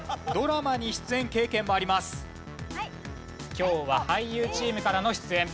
今日は俳優チームからの出演。